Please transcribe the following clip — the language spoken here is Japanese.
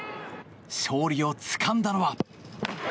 勝利をつかんだのは。